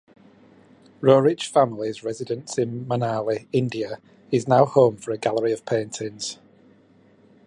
Roerich family's residence in Manali, India, is now home for a gallery of paintings.